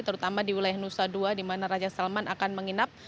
terutama di wilayah nusa dua di mana raja salman akan menginap